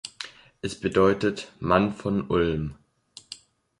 Es bedeutet „Mann von Ulm“.